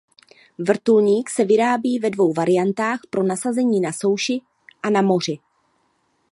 Vrtulník se vyrábí ve dvou variantách pro nasazení na souši a na moři.